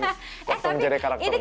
waktu menjadi karakter nick